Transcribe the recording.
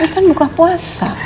ini kan buka puasa